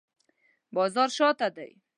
بازار شاته دی